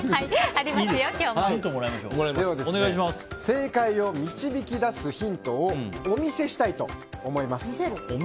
正解を導き出すヒントをお見せしたいと思います。